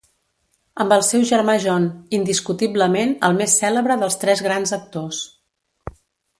Amb el seu germà John, indiscutiblement el més cèlebre dels tres grans actors.